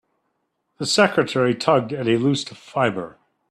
The secretary tugged at a loose fibre.